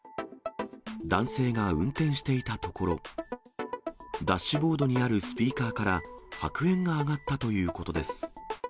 男性が運転していたところ、ダッシュボードにあるスピーカーから、白煙が上がったということです。